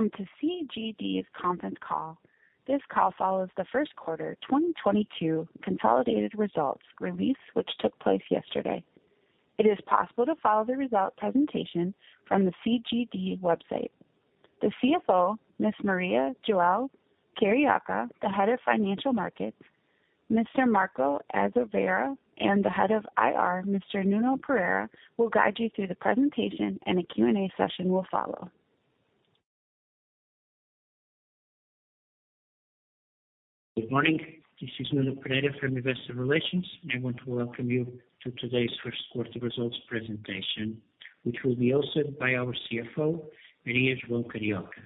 Welcome to CGD's conference call. This call follows the first quarter 2022 consolidated results release, which took place yesterday. It is possible to follow the results presentation from the CGD website. The CFO, Ms. Maria João Carioca, the head of Financial Markets, Mr. Marco Azevedo and the head of IR, Mr. Nuno Vilar, will guide you through the presentation and a Q&A session will follow. Good morning. This is Nuno Vilar from Investor Relations, and I want to welcome you to today's first quarter results presentation, which will be hosted by our CFO, Maria João Carioca.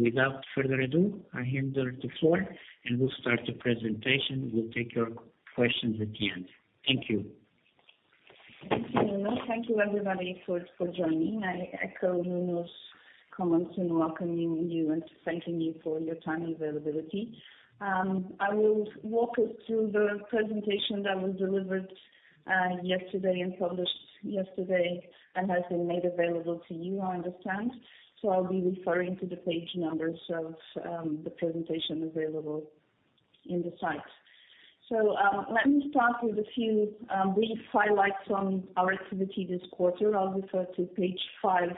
Without further ado, I hand the floor, and we'll start the presentation. We'll take your questions at the end. Thank you. Thank you, Nuno. Thank you everybody for joining. I echo Nuno's comments in welcoming you and thanking you for your time and availability. I will walk us through the presentation that was delivered yesterday and published yesterday and has been made available to you, I understand. I'll be referring to the page numbers of the presentation available in the site. Let me start with a few brief highlights on our activity this quarter. I'll refer to page five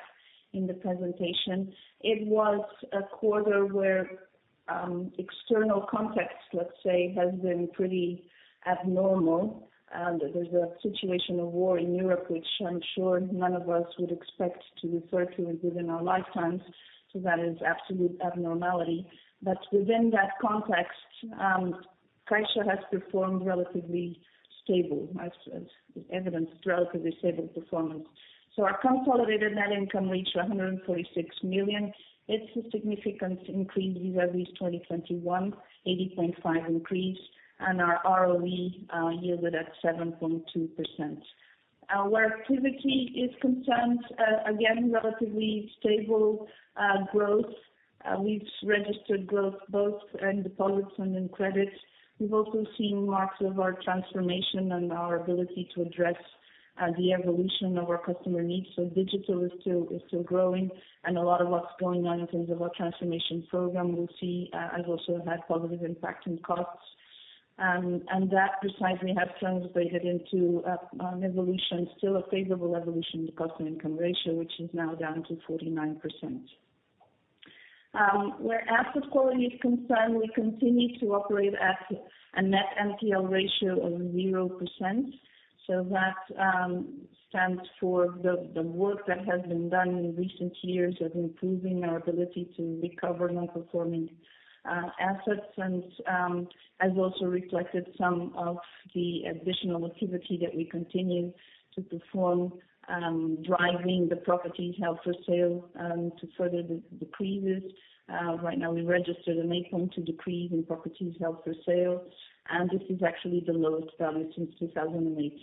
in the presentation. It was a quarter where external context, let's say, has been pretty abnormal, and there's a situation of war in Europe, which I'm sure none of us would expect to refer to within our lifetimes. That is absolute abnormality. But within that context, Caixa has performed relatively stable as evidenced, relatively stable performance. Our consolidated net income reached 146 million. It's a significant increase vis-à-vis 2021, 80.5% increase, and our ROE yielded at 7.2%. Where activity is concerned, again, relatively stable growth. We've registered growth both in deposits and in credits. We've also seen marks of our transformation and our ability to address the evolution of our customer needs. Digital is still growing. A lot of what's going on in terms of our transformation program has also had positive impact in costs. That precisely has translated into evolution, still a favorable evolution in the cost-income ratio, which is now down to 49%. Where asset quality is concerned, we continue to operate at a net NPL ratio of 0%. That stands for the work that has been done in recent years of improving our ability to recover non-performing assets. has also reflected some of the additional activity that we continue to perform, driving the properties held for sale to further decrease this. Right now we registered a 19% decrease in properties held for sale, and this is actually the lowest value since 2008.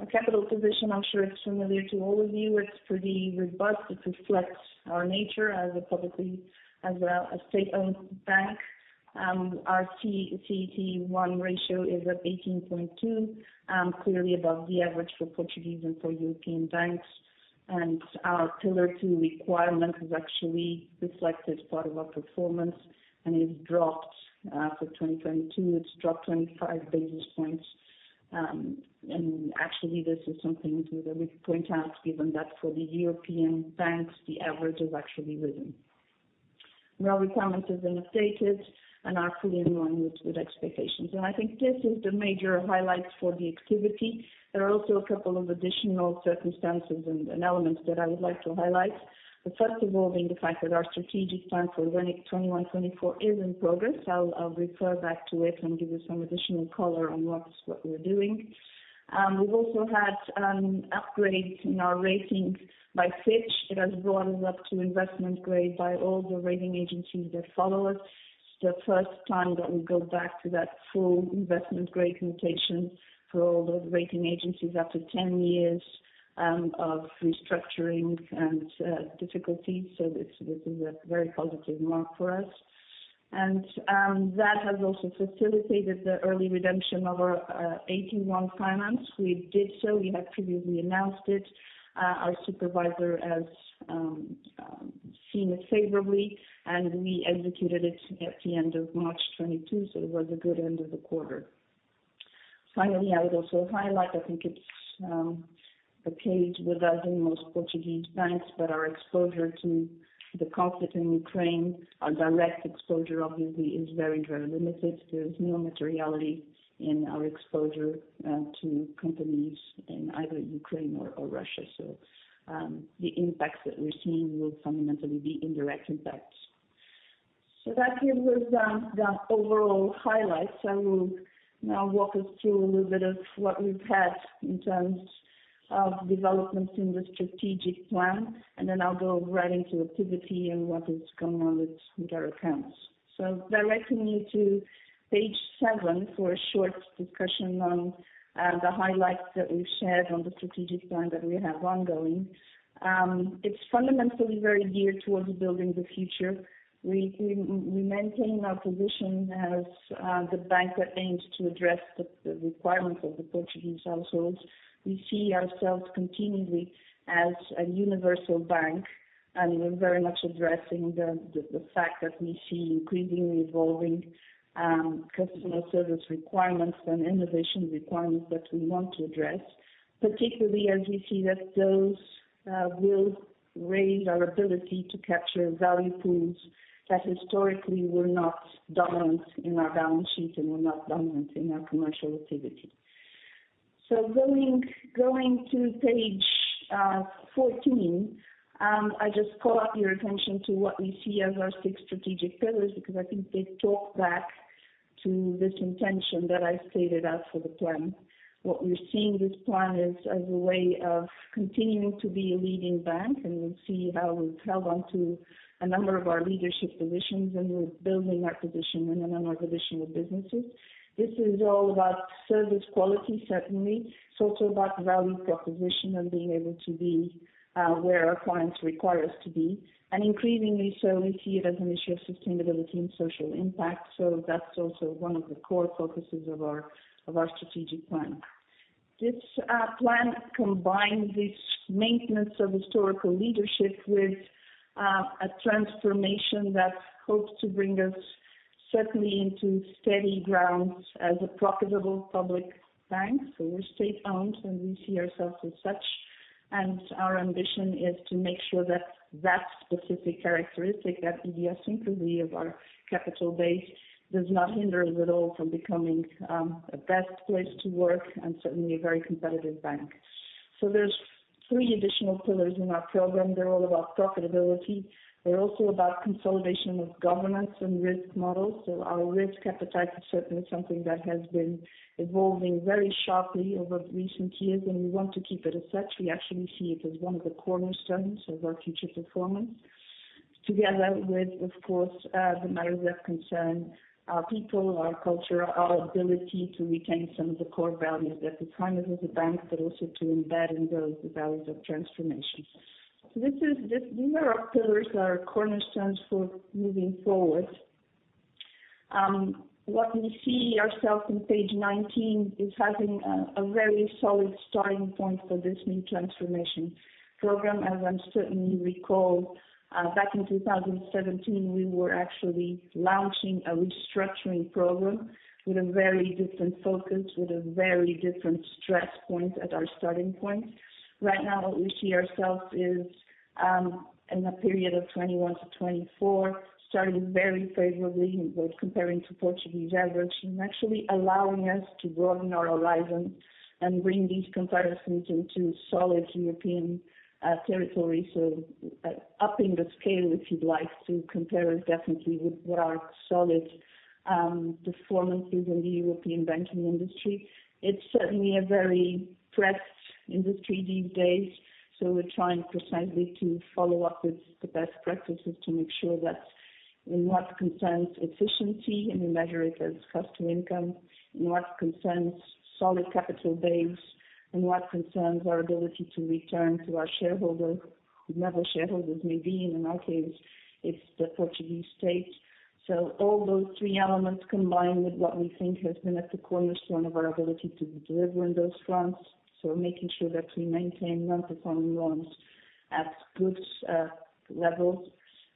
Our capital position, I'm sure it's familiar to all of you. It's pretty robust. It reflects our nature as a publicly, as a state-owned bank. Our CET1 ratio is at 18.2, clearly above the average for Portuguese and for European banks. our Pillar two requirement is actually reflected as part of our performance and it's dropped for 2022. It's dropped 25 basis points. Actually this is something that we point out, given that for the European banks, the average has actually risen. Our requirement has been updated and are fully in line with expectations. I think this is the major highlights for the activity. There are also a couple of additional circumstances and elements that I would like to highlight. The first of all being the fact that our strategic plan for RENIC 2021-2024 is in progress. I'll refer back to it and give you some additional color on what we're doing. We've also had upgrades in our ratings by Fitch. It has brought us up to investment grade by all the rating agencies that follow us. It's the first time that we go back to that full investment grade notation for all the rating agencies after 10 years of restructuring and difficulties. This is a very positive mark for us. That has also facilitated the early redemption of our AT1. We did so. We have previously announced it. Our supervisor has seen it favorably, and we executed it at the end of March 2022, so it was a good end of the quarter. Finally, I would also highlight, I think it's a plus with us and most Portuguese banks, but our exposure to the conflict in Ukraine, our direct exposure obviously is very, very limited. There is no materiality in our exposure to companies in either Ukraine or Russia. The impacts that we're seeing will fundamentally be indirect impacts. That here was the overall highlights. I will now walk us through a little bit of what we've had in terms of developments in the strategic plan, and then I'll go right into activity and what is going on with our accounts. Directing you to page seven for a short discussion on the highlights that we've shared on the strategic plan that we have ongoing. It's fundamentally very geared towards building the future. We maintain our position as the bank that aims to address the requirements of the Portuguese households. We see ourselves continually as a universal bank, and we're very much addressing the fact that we see increasingly evolving customer service requirements and innovation requirements that we want to address, particularly as we see that those will raise our ability to capture value pools that historically were not dominant in our balance sheet and were not dominant in our commercial activity. Going to page 14, I just call your attention to what we see as our six strategic pillars, because I think they tie back to this intention that I set out for the plan. What we see in this plan is as a way of continuing to be a leading bank, and we'll see how we've held on to a number of our leadership positions, and we're building our position in a number of additional businesses. This is all about service quality, certainly. It's also about value proposition and being able to be where our clients require us to be. Increasingly so we see it as an issue of sustainability and social impact. That's also one of the core focuses of our strategic plan. This plan combines this maintenance of historical leadership with a transformation that hopes to bring us certainly into steady grounds as a profitable public bank. Which state-owned, and we see ourselves as such. Our ambition is to make sure that that specific characteristic, that idiosyncrasy of our capital base, does not hinder us at all from becoming a best place to work and certainly a very competitive bank. There's three additional pillars in our program. They're all about profitability. They're also about consolidation of governance and risk models. Our risk appetite is certainly something that has been evolving very sharply over recent years, and we want to keep it as such. We actually see it as one of the cornerstones of our future performance. Together with, of course, the matters that concern our people, our culture, our ability to retain some of the core values that define us as a bank, but also to embed in those the values of transformation. These is, these are pillars that are cornerstones for moving forward. What we see ourselves on page 19 is having a very solid starting point for this new transformation program. As I certainly recall, back in 2017, we were actually launching a restructuring program with a very different focus, with a very different stress point at our starting point. Right now, what we see ourselves is in a period of 2021-2024, starting very favorably both comparing to Portuguese average and actually allowing us to broaden our horizons and bring these comparisons into solid European territories. Upping the scale, if you'd like, to compare us definitely with what are solid performances in the European banking industry. It's certainly a very stressed industry these days, so we're trying precisely to follow up with the best practices to make sure that in what concerns efficiency, and we measure it as cost-to-income, in what concerns solid capital base, in what concerns our ability to return to our shareholder, whomever shareholders may be, in our case, it's the Portuguese state. All those three elements combined with what we think has been at the cornerstone of our ability to deliver in those fronts. Making sure that we maintain non-performing loans at good levels,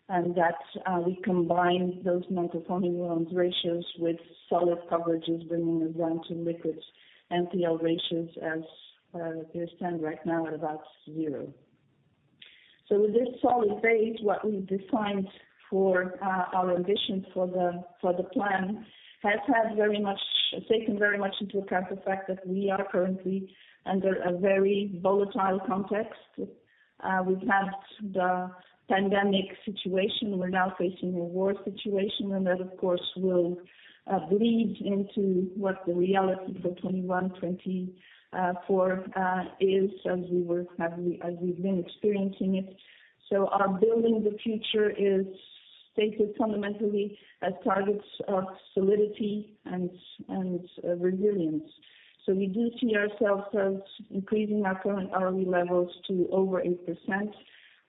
and that we combine those non-performing loans ratios with solid coverages, bringing it down to liquid NPL ratios as they stand right now at about zero. With this solid base, what we've defined for our ambitions for the plan has had very much taken very much into account the fact that we are currently under a very volatile context. We've had the pandemic situation, we're now facing a war situation, and that of course will bleed into what the reality for 2021-2024 is as we've been experiencing it. Our building the future is stated fundamentally as targets of solidity and resilience. We do see ourselves as increasing our current ROE levels to over 8%.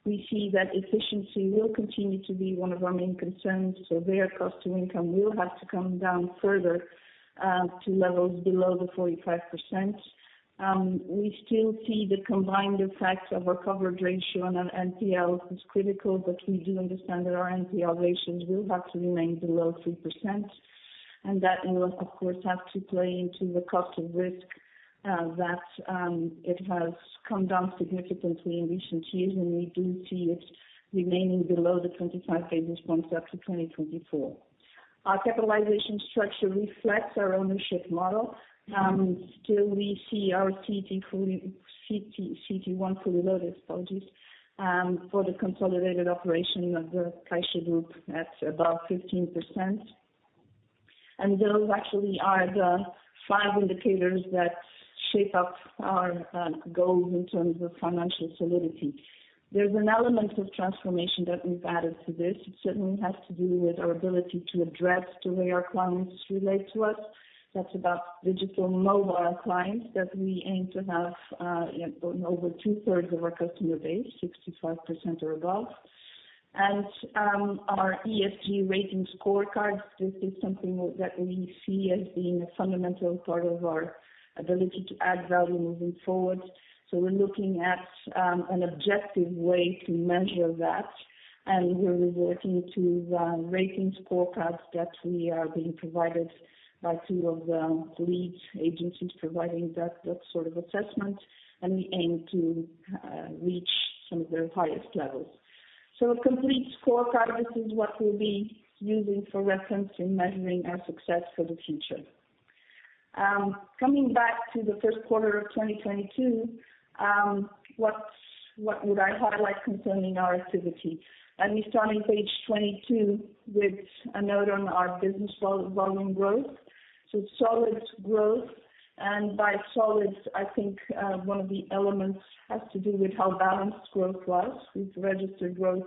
We see that efficiency will continue to be one of our main concerns, so the cost-to-income will have to come down further to levels below 45%. We still see the combined effects of our coverage ratio and NPL is critical, but we do understand that our NPL ratios will have to remain below 3%. That will of course have to play into the cost of risk that it has come down significantly in recent years, and we do see it remaining below 25 basis points up to 2024. Our capitalization structure reflects our ownership model. Still we see our CET1 fully loaded for the consolidated operation of the Caixa group at above 15%. Those actually are the five indicators that shape up our goals in terms of financial solidity. There's an element of transformation that we've added to this. It certainly has to do with our ability to address the way our clients relate to us. That's about digital mobile clients that we aim to have in over two-thirds of our customer base, 65% or above. Our ESG rating scorecard, this is something that we see as being a fundamental part of our ability to add value moving forward. We're looking at an objective way to measure that, and we're resorting to the rating scorecards that we are being provided by two of the lead agencies providing that sort of assessment, and we aim to reach some of their highest levels. A complete scorecard, this is what we'll be using for reference in measuring our success for the future. Coming back to the first quarter of 2022, what would I highlight concerning our activity? Let me start on page 22 with a note on our business volume growth. Solid growth, and by solid, I think, one of the elements has to do with how balanced growth was. We've registered growth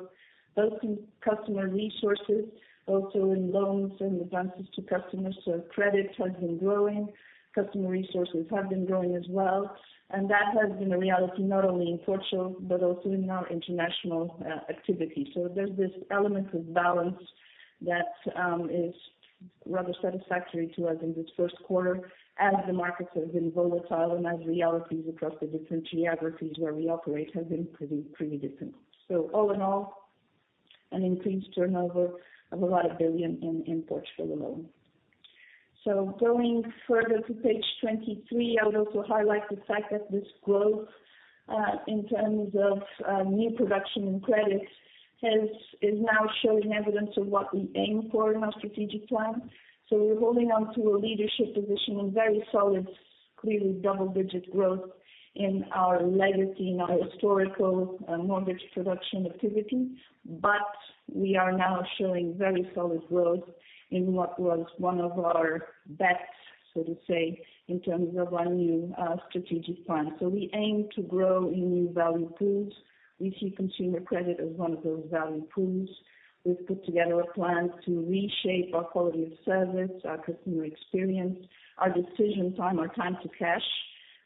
both in customer resources, both in loans and advances to customers. Credit has been growing, customer resources have been growing as well. That has been a reality not only in Portugal but also in our international activity. There's this element of balance that is rather satisfactory to us in this first quarter as the markets have been volatile and as realities across the different geographies where we operate have been pretty different. All in all, an increased turnover of a lot of billions EUR in Portugal alone. Going further to page 23, I would also highlight the fact that this growth in terms of new production and credit is now showing evidence of what we aim for in our strategic plan. We're holding on to a leadership position in very solid, clearly double-digit growth in our legacy, in our historical mortgage production activity. We are now showing very solid growth in what was one of our bets, so to say, in terms of our new strategic plan. We aim to grow in new value pools. We see consumer credit as one of those value pools. We've put together a plan to reshape our quality of service, our customer experience, our decision time, our time to cash,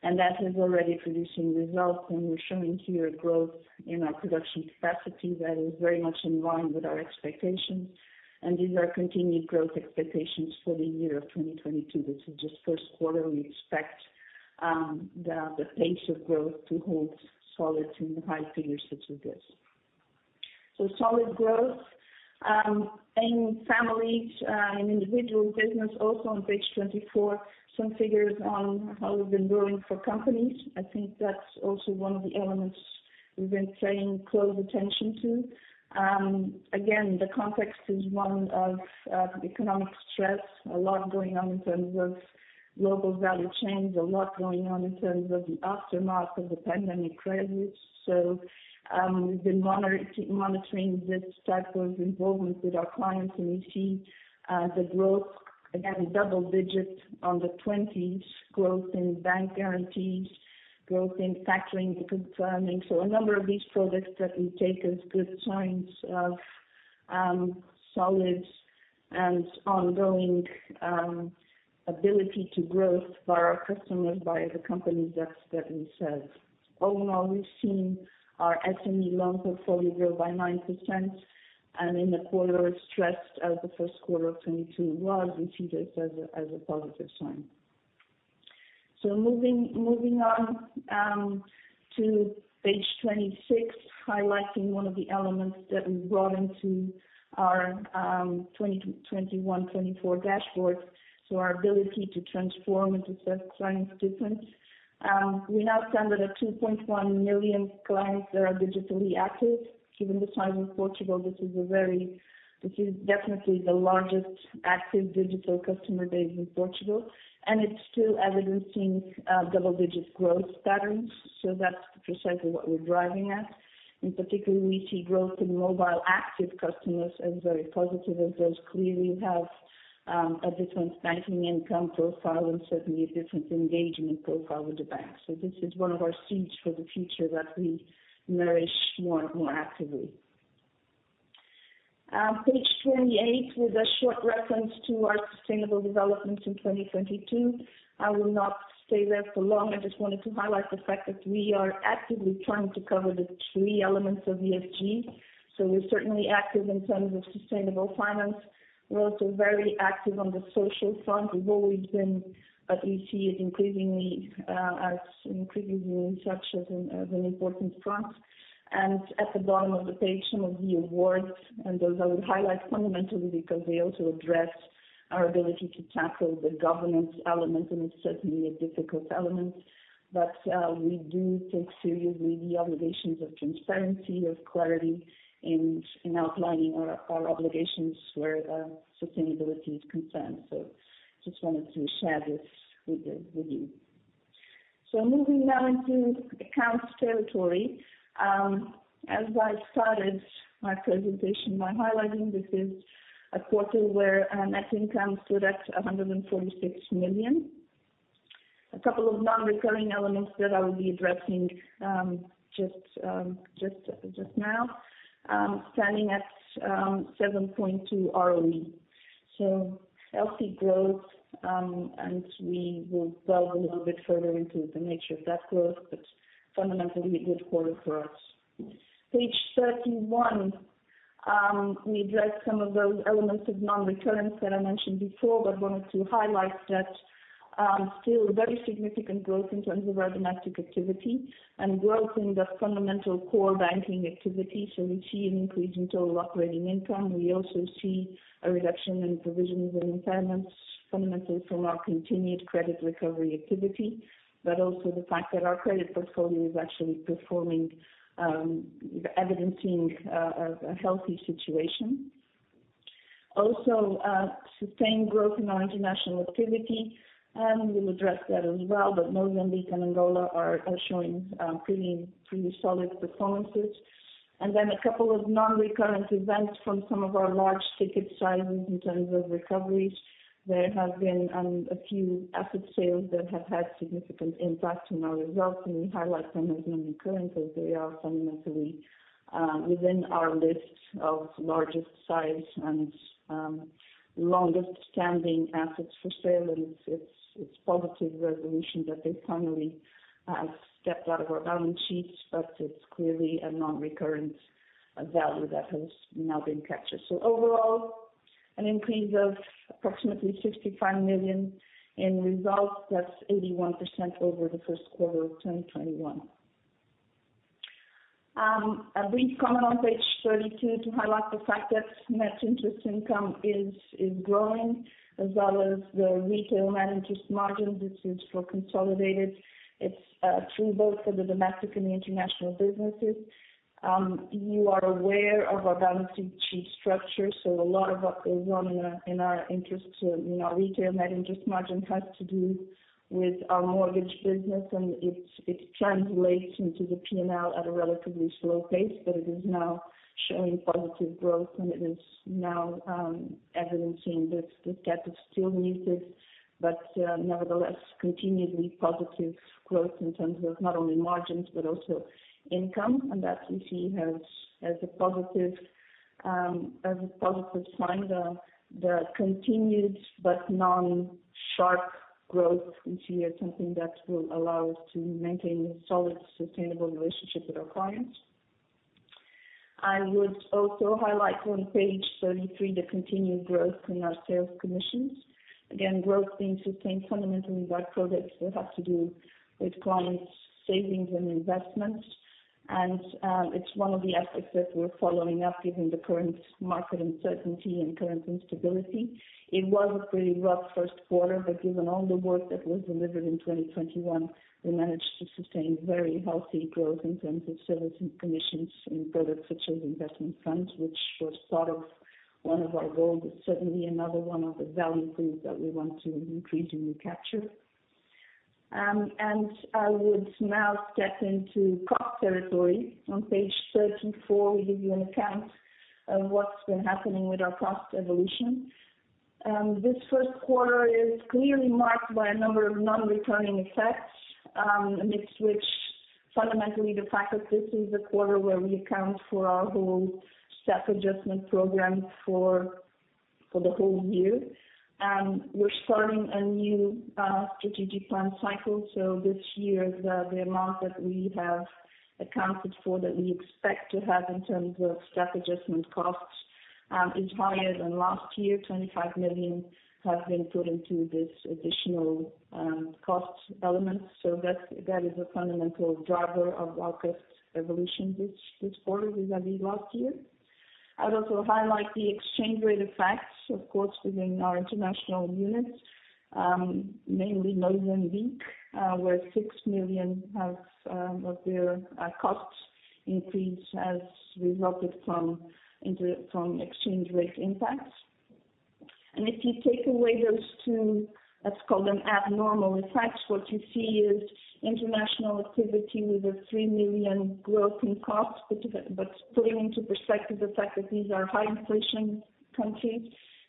and that is already producing results. We're showing here growth in our production capacity that is very much in line with our expectations. These are continued growth expectations for the year of 2022. This is just first quarter. We expect the pace of growth to hold solid in the high figures that we get. Solid growth in families in individual business. Also on page 24, some figures on how we've been growing for companies. I think that's also one of the elements we've been paying close attention to. Again, the context is one of economic stress, a lot going on in terms of global value chains, a lot going on in terms of the aftermath of the pandemic crisis. We've been monitoring this type of involvement with our clients, and we see the growth, again, double digits on the 20s growth in bank guarantees, growth in factoring, confirming. A number of these products that we take as good signs of solid and ongoing ability to grow by our customers, by the companies that certainly said. All in all, we've seen our SME loan portfolio grow by 9%. In the quarter as stressed as the first quarter of 2022 was, we see this as a positive sign. Moving on to page 26, highlighting one of the elements that we brought into our 2021-2024 dashboards, so our ability to transform into self-client difference. We now stand at 2.1 million clients that are digitally active. Given the size of Portugal, this is definitely the largest active digital customer base in Portugal, and it's still evidencing double-digit growth patterns. That's precisely what we're driving at. In particular, we see growth in mobile active customers as very positive, as those clearly have a different banking income profile and certainly a different engagement profile with the bank. This is one of our seeds for the future that we nourish more actively. Page 28, with a short reference to our sustainable development in 2022. I will not stay there for long. I just wanted to highlight the fact that we are actively trying to cover the three elements of ESG. We're certainly active in terms of sustainable finance. We're also very active on the social front. We've always been, but we see it increasingly as increasingly structures in as an important front. At the bottom of the page, some of the awards and those I would highlight fundamentally because they also address our ability to tackle the governance element, and it's certainly a difficult element. We do take seriously the obligations of transparency, of clarity in outlining our obligations where sustainability is concerned. Just wanted to share this with you. Moving now into accounts territory. As I started my presentation by highlighting this is a quarter where our net income stood at 146 million. A couple of non-recurring elements that I will be addressing just now. Standing at 7.2 ROE. Healthy growth, and we will delve a little bit further into the nature of that growth, but fundamentally good quarter for us. Page thirty-one, we address some of those elements of non-recurrents that I mentioned before, but wanted to highlight that, still very significant growth in terms of our domestic activity and growth in the fundamental core banking activity. We see an increase in total operating income. We also see a reduction in provisions and impairments, fundamentally from our continued credit recovery activity, but also the fact that our credit portfolio is actually performing, evidencing a healthy situation. Also, sustained growth in our international activity, and we'll address that as well. Mozambique and Angola are showing pretty solid performances. A couple of non-recurrent events from some of our large ticket sizes in terms of recoveries. There have been a few asset sales that have had significant impact on our results, and we highlight them as non-recurrent because they are fundamentally within our list of largest size and longest standing assets for sale. It's positive resolution that they finally have stepped out of our balance sheets, but it's clearly a non-recurrent value that has now been captured. Overall, an increase of approximately 65 million in results. That's 81% over the first quarter of 2021. A brief comment on page 32 to highlight the fact that net interest income is growing as well as the retail net interest margin. This is for consolidated. It's true both for the domestic and the international businesses. You are aware of our balance sheet structure, so a lot of what goes on in our interest in our retail net interest margin has to do with our mortgage business, and it translates into the P&L at a relatively slow pace, but it is now showing positive growth. It is now evidencing that the gap is still needed, but nevertheless, continued positive growth in terms of not only margins but also income. That we see as a positive sign. The continued but non-sharp growth we see as something that will allow us to maintain solid, sustainable relationships with our clients. I would also highlight on page 33 the continued growth in our sales commissions. Again, growth being sustained fundamentally by products that have to do with clients' savings and investments. It's one of the aspects that we're following up given the current market uncertainty and current instability. It was a pretty rough first quarter, but given all the work that was delivered in 2021, we managed to sustain very healthy growth in terms of service and commissions in products such as investment funds, which was sort of one of our goals, but certainly another one of the value pools that we want to increasingly capture. I would now step into cost territory. On page 34, we give you an account of what's been happening with our cost evolution. This first quarter is clearly marked by a number of non-recurring effects, amidst which fundamentally the fact that this is a quarter where we account for our whole staff adjustment program for the whole year. We're starting a new strategic plan cycle. This year, the amount that we have accounted for, that we expect to have in terms of staff adjustment costs, is higher than last year. 25 million has been put into this additional cost element. That is a fundamental driver of our cost evolution this quarter vis-à-vis last year. I'd also highlight the exchange rate effects, of course, within our international units, mainly Mozambique, where 6 million of their cost increase has resulted from exchange rate impacts. If you take away those two, let's call them abnormal effects, what you see is international activity with a 3 million growth in costs. Putting into perspective the fact that these are high inflation countries,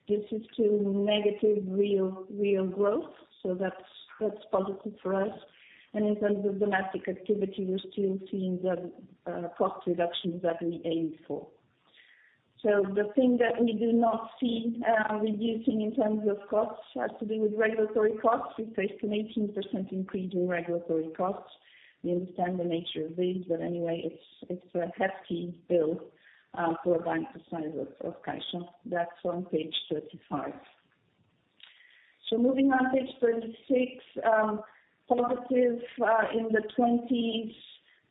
this is to negative real growth. That's positive for us. In terms of domestic activity, we're still seeing the cost reductions that we aimed for. The thing that we do not see reducing in terms of costs has to do with regulatory costs. We face an 18% increase in regulatory costs. We understand the nature of this, but anyway, it's a hefty bill for a bank the size of Caixa. That's on page 35. Moving on, page 36, positive in-the-20s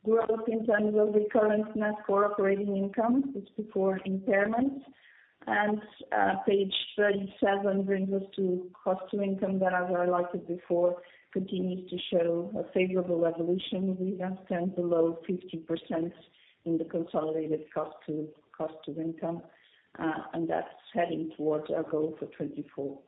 growth in terms of recurrent net core operating income, it's before impairments. Page 37 brings us to cost to income that, as I highlighted before, continues to show a favorable evolution. We have stayed below 50% in the consolidated cost to income, and that's heading towards our goal for 2024.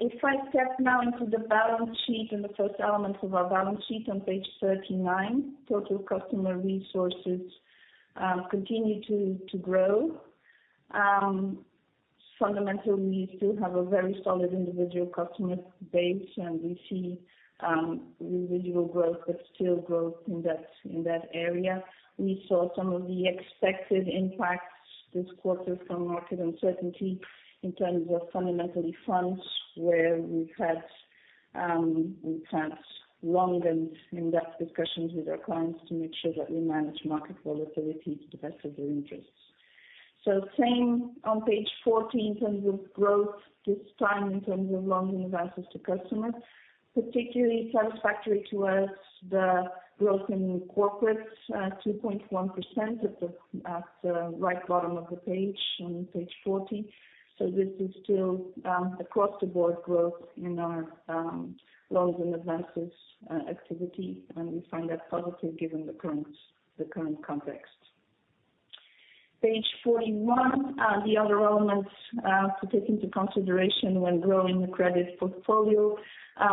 If I step now into the balance sheet and the first element of our balance sheet on page 39, total customer resources continue to grow. Fundamentally, we still have a very solid individual customer base, and we see individual growth, but still growth in that area. We saw some of the expected impacts this quarter from market uncertainty in terms of fundamentally funds, where we've had long and in-depth discussions with our clients to make sure that we manage market volatility to the best of their interests. Same on page 14 in terms of growth, this time in terms of loans and advances to customers, particularly satisfactory to us, the growth in corporates, 2.1% at the right bottom of the page on page 40. This is still across the board growth in our loans and advances activity, and we find that positive given the current context. Page 41, the other elements to take into consideration when growing the credit portfolio.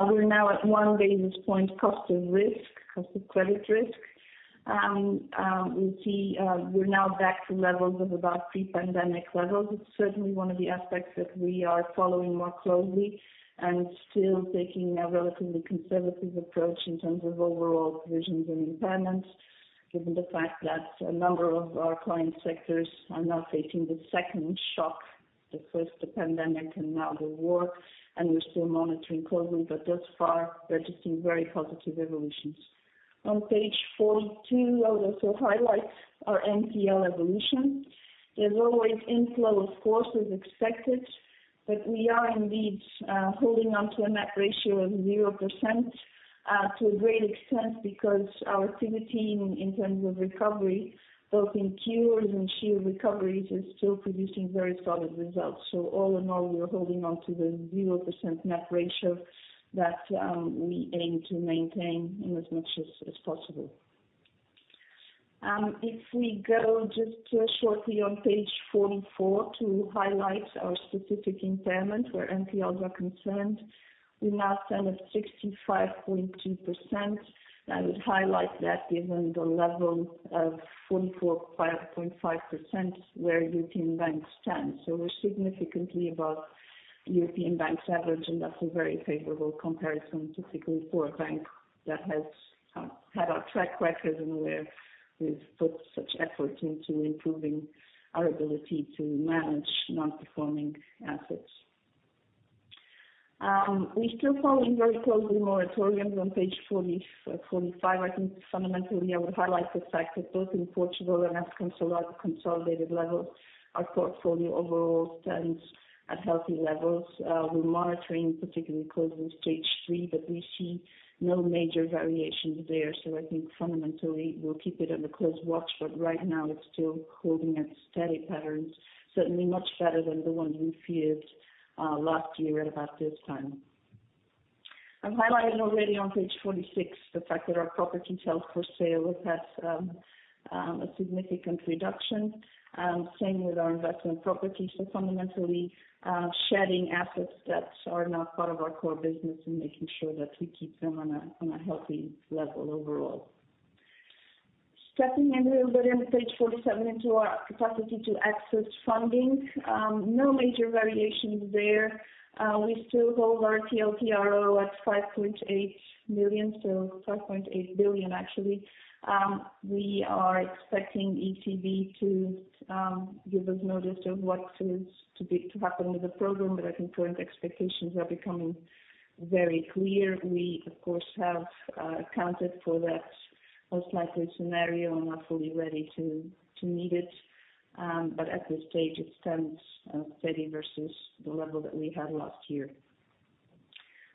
We're now at 1 basis point cost of risk, cost of credit risk. We see we're now back to levels of about pre-pandemic levels. It's certainly one of the aspects that we are following more closely and still taking a relatively conservative approach in terms of overall provisions and impairments, given the fact that a number of our client sectors are now facing the second shock, the first, the pandemic and now the war, and we're still monitoring closely, but thus far, we are seeing very positive evolutions. On page 42, I will also highlight our NPL evolution. There's always inflow, of course, as expected, but we are indeed holding on to a net ratio of 0%, to a great extent because our activity in terms of recovery, both in cures and sheer recoveries, is still producing very solid results. All in all, we are holding on to the 0% net ratio that we aim to maintain as much as possible. If we go just shortly on page 44 to highlight our specific impairment where NPLs are concerned, we now stand at 65.2%. I would highlight that given the level of 44.5% where European banks stand. We're significantly above European banks average, and that's a very favorable comparison, particularly for a bank that has had our track record and where we've put such effort into improving our ability to manage non-performing assets. We're still following very closely moratoriums on page 40, 45. I think fundamentally, I would highlight the fact that both in Portugal and at consolidated levels, our portfolio overall stands at healthy levels. We're monitoring particularly closely Stage three, but we see no major variations there. I think fundamentally we'll keep it on a close watch, but right now it's still holding at steady patterns, certainly much better than the one we feared last year at about this time. I've highlighted already on page 46 the fact that our property held for sale has a significant reduction. Same with our investment properties. Fundamentally, shedding assets that are not part of our core business and making sure that we keep them on a healthy level overall. Stepping in a little bit on page 47 into our capacity to access funding. No major variations there. We still hold our TLTRO at 5.8 billion, actually. We are expecting ECB to give us notice of what is to happen with the program, but I think current expectations are becoming very clear. We of course have accounted for that most likely scenario and are fully ready to meet it. At this stage, it stands steady versus the level that we had last year.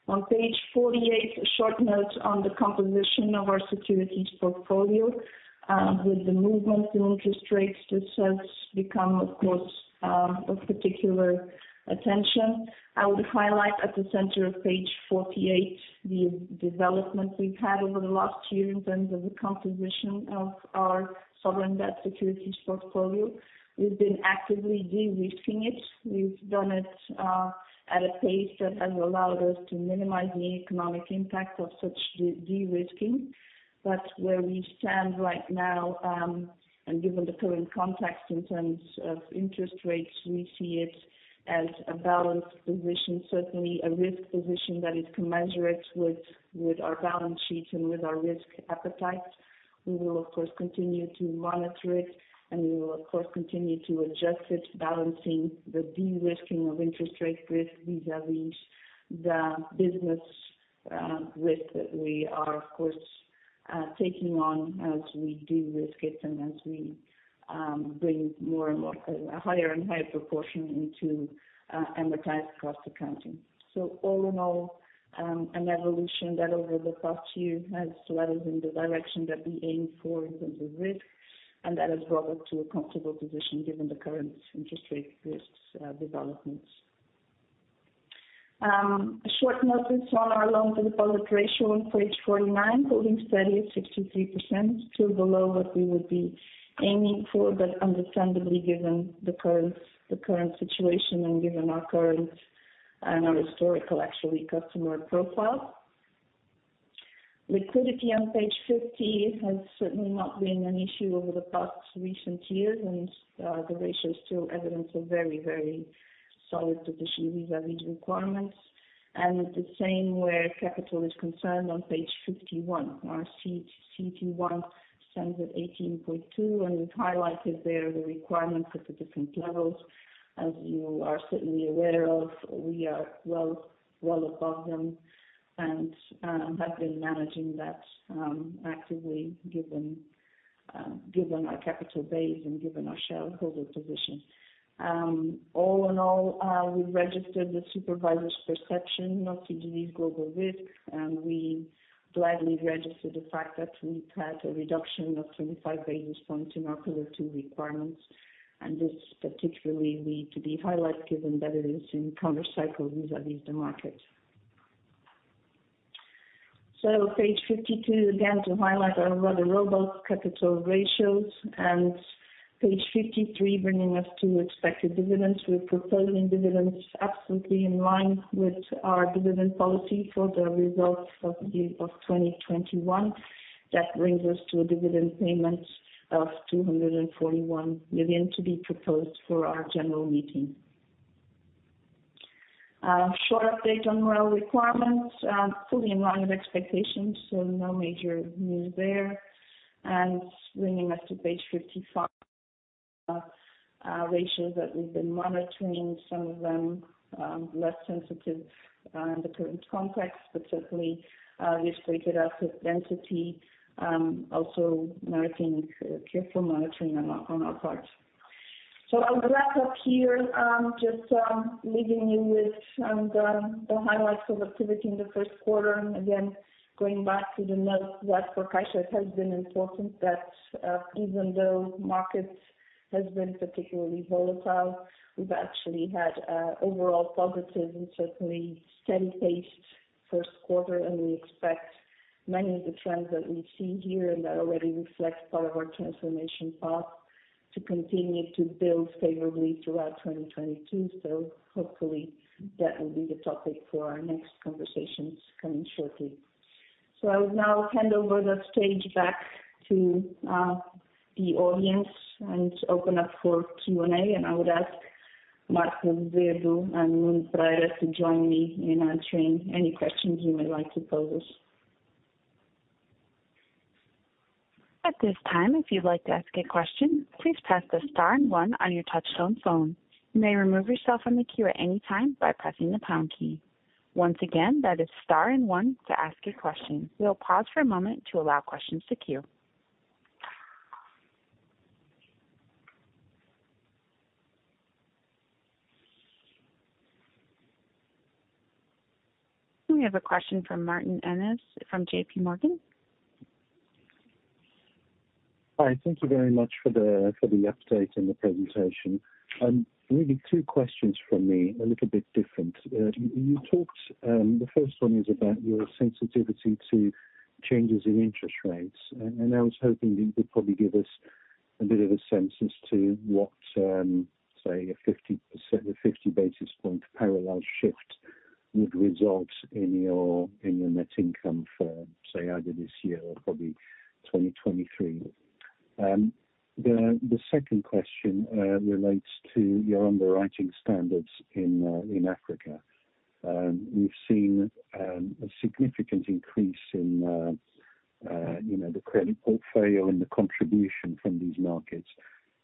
On page 48, a short note on the composition of our securities portfolio. With the movement in interest rates, this has become, of course, of particular attention. I would highlight at the center of page 48 the development we've had over the last year in terms of the composition of our sovereign debt securities portfolio. We've been actively de-risking it. We've done it at a pace that has allowed us to minimize the economic impact of such de-risking. Where we stand right now, and given the current context in terms of interest rates, we see it as a balanced position, certainly a risk position that is commensurate with our balance sheet and with our risk appetite. We will, of course, continue to monitor it, and we will, of course, continue to adjust it, balancing the de-risking of interest rate risk vis-à-vis the business risk that we are, of course, taking on as we de-risk it and as we bring more and more a higher and higher proportion into amortized cost accounting. All in all, an evolution that over the past year has led us in the direction that we aim for in terms of risk, and that has brought us to a comfortable position given the current interest rate risks developments. A short notice on our loan to deposit ratio on page 49, holding steady at 63%, still below what we would be aiming for, but understandably given the current situation and given our current and our historical, actually customer profile. Liquidity on page 50 has certainly not been an issue over the past recent years, and the ratio is still evidence of very solid position vis-a-vis requirements. The same where capital is concerned on page 51. Our CET1 stands at 18.2, and we've highlighted there the requirements at the different levels. As you are certainly aware of, we are well above them and have been managing that actively given our capital base and given our shareholder position. All in all, we registered the supervisor's perception of CGD global risk, and we gladly registered the fact that we've had a reduction of 25 basis points in our capital requirements. This particularly is to be highlighted given that it is counter-cyclical vis-à-vis the market. Page 52, again, to highlight our rather robust capital ratios and page 53 bringing us to expected dividends. We're proposing dividends absolutely in line with our dividend policy for the results of 2021. That brings us to a dividend payment of 241 million to be proposed for our general meeting. Short update on MREL requirements, fully in line with expectations, so no major news there. Bringing us to page 55, ratios that we've been monitoring, some of them less sensitive in the current context. Certainly, we've traded asset density, also meriting careful monitoring on our part. I'll wrap up here, just leaving you with the highlights of activity in the first quarter. Again, going back to the note, what for Caixa has been important that even though markets has been particularly volatile, we've actually had overall positive and certainly steady paced first quarter. We expect many of the trends that we see here and that already reflect part of our transformation path to continue to build favorably throughout 2022. Hopefully that will be the topic for our next conversations coming shortly. I will now hand over the stage back to the audience and open up for Q&A. I would ask Marco Azevedo and Nuno Vilar to join me in answering any questions you would like to pose. At this time, if you'd like to ask a question, please press the star and one on your touch-tone phone. You may remove yourself from the queue at any time by pressing the pound key. Once again, that is star and one to ask a question. We'll pause for a moment to allow questions to queue. We have a question from Martin Ennis from JPMorgan. Hi. Thank you very much for the update and the presentation. Maybe two questions from me, a little bit different. You talked. The first one is about your sensitivity to changes in interest rates. I was hoping you could probably give us a bit of a sense as to what, say, a 50 percent or 50 basis points parallel shift would result in your net income for, say, either this year or probably 2023. The second question relates to your underwriting standards in Africa. We've seen a significant increase in, you know, the credit portfolio and the contribution from these markets.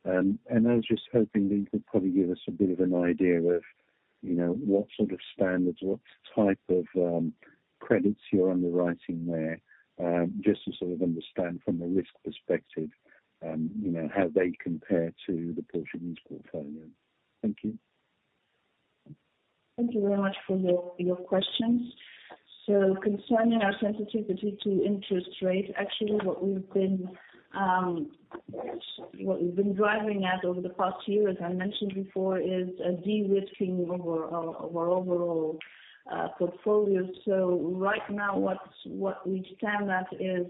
I was just hoping you could probably give us a bit of an idea of, you know, what sort of standards, what type of, credits you're underwriting there, just to sort of understand from the risk perspective, you know, how they compare to the Portuguese portfolio. Thank you. Thank you very much for your questions. Concerning our sensitivity to interest rates, actually what we've been driving at over the past year, as I mentioned before, is a de-risking of our overall portfolio. Right now what we stand at is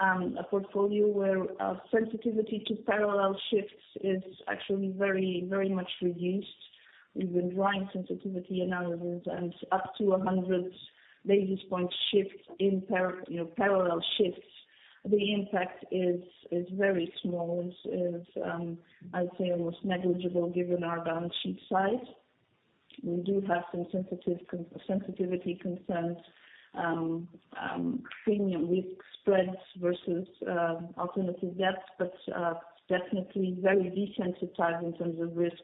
a portfolio where sensitivity to parallel shifts is actually very much reduced. We've been drawing sensitivity analysis and up to 100 basis points shift in par, you know, parallel shifts. The impact is very small. It's, I'd say almost negligible given our balance sheet size. We do have some sensitivity concerns, premium risk spreads versus alternative debt, but definitely very desensitized in terms of risk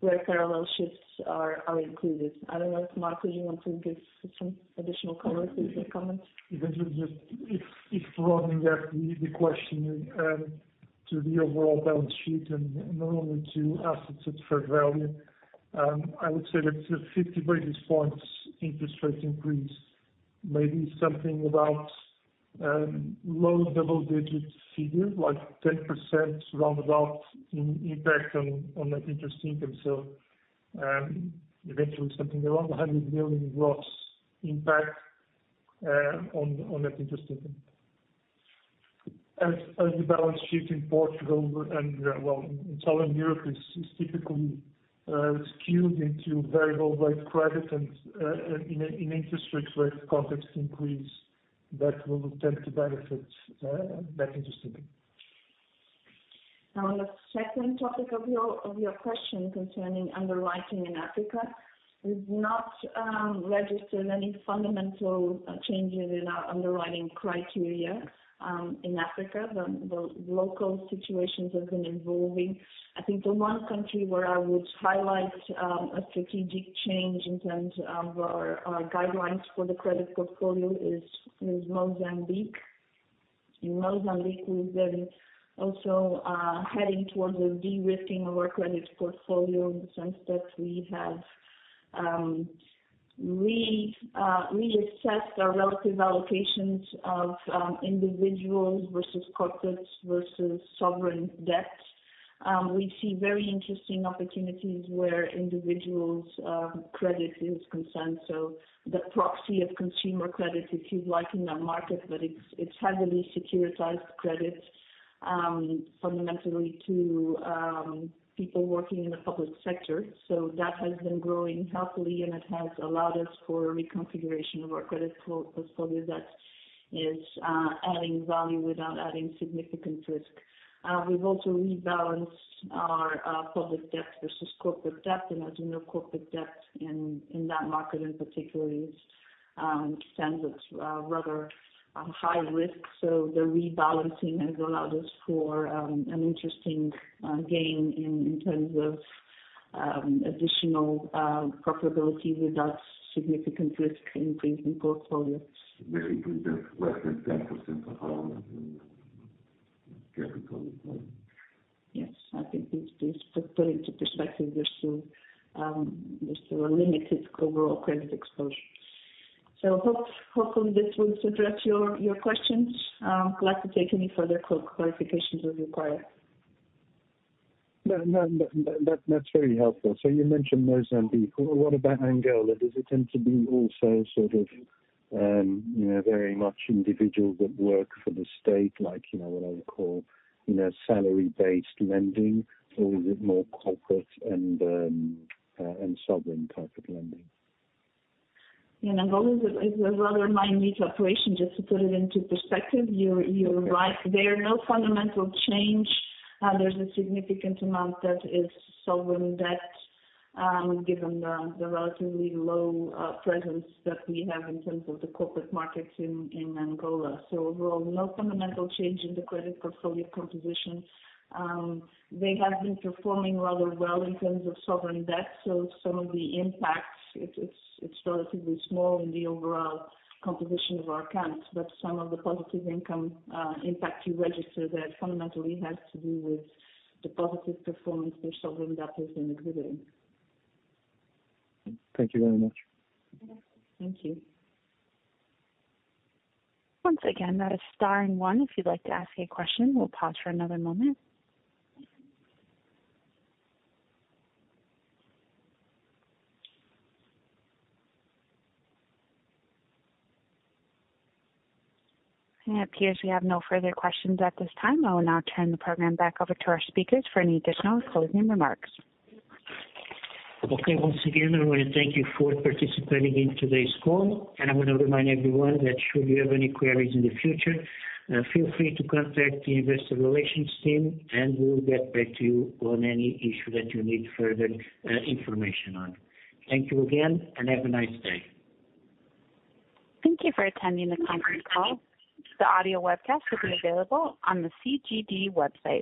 where parallel shifts are included. I don't know if, Marco, you want to give some additional color or comments. Even if just broadening the question to the overall balance sheet and not only to assets at fair value, I would say that the 50 basis points interest rate increase may be something about a low double digits figure, like 10% roundabout impact on net interest income. Eventually something around 100 million gross impact on net interest income. As the balance sheet in Portugal and well in southern Europe is typically skewed into variable rate credit and in a context where interest rates increase that will tend to benefit that interestingly. Now, on the second topic of your question concerning underwriting in Africa. We've not registered any fundamental changes in our underwriting criteria in Africa. The local situations have been evolving. I think the one country where I would highlight a strategic change in terms of our guidelines for the credit portfolio is Mozambique. In Mozambique, we've been also heading towards a de-risking of our credit portfolio. In some steps we have reassessed our relative allocations of individuals versus corporates versus sovereign debt. We see very interesting opportunities where individuals credit is concerned. So the proxy of consumer credit, if you like, in that market, but it's heavily securitized credit, fundamentally to people working in the public sector. That has been growing healthily, and it has allowed us for reconfiguration of our credit portfolio that is adding value without adding significant risk. We've also rebalanced our public debt versus corporate debt. As you know, corporate debt in that market in particular is rather high risk. The rebalancing has allowed us for an interesting gain in terms of additional profitability without significant risk in portfolio. We increased less than 10% of our capital. Yes. I think it's put into perspective just to a limited overall credit exposure. Hopefully, this will address your questions. Glad to take any further clarifications as required. No, no, that's very helpful. You mentioned Mozambique. What about Angola? Does it tend to be also sort of, you know, very much individuals that work for the state, like, you know, what I would call, you know, salary-based lending? Or is it more corporate and sovereign type of lending? In Angola is a rather minute operation, just to put it into perspective. You're right. There are no fundamental change. There's a significant amount that is sovereign debt, given the relatively low presence that we have in terms of the corporate markets in Angola. Overall, no fundamental change in the credit portfolio composition. They have been performing rather well in terms of sovereign debt, so some of the impacts, it's relatively small in the overall composition of our accounts. Some of the positive income impact you register there fundamentally has to do with the positive performance the sovereign debt has been exhibiting. Thank you very much. Thank you. Once again, that is star and one if you'd like to ask a question. We'll pause for another moment. It appears we have no further questions at this time. I will now turn the program back over to our speakers for any additional closing remarks. Okay. Once again, I wanna thank you for participating in today's call. I wanna remind everyone that should you have any queries in the future, feel free to contact the investor relations team, and we'll get back to you on any issue that you need further information on. Thank you again, and have a nice day. Thank you for attending the conference call. The audio webcast will be available on the CGD website.